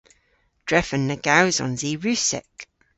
Drefen na gewsons i Russek.